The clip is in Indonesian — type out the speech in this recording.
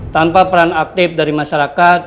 tanpa peran aktif dari masyarakat